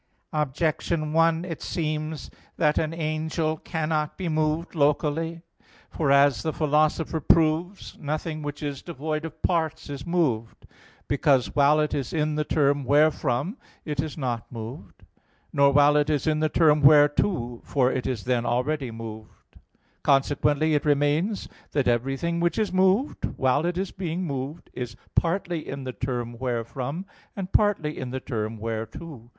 Objection 1: It seems that an angel cannot be moved locally. For, as the Philosopher proves (Phys. vi, text 32, 86) "nothing which is devoid of parts is moved"; because, while it is in the term wherefrom, it is not moved; nor while it is in the term whereto, for it is then already moved; consequently it remains that everything which is moved, while it is being moved, is partly in the term wherefrom and partly in the term _whereto.